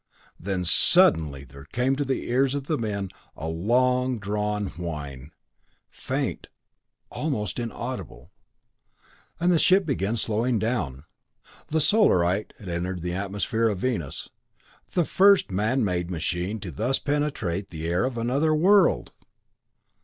Then suddenly there came to the ears of the men a long drawn whine, faint almost inaudible and the ship began slowing down. The Solarite had entered the atmosphere of Venus the first man made machine to thus penetrate the air of another world!